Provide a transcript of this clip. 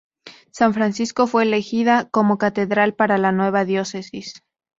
San Francisco fue elegida como catedral para la nueva diócesis.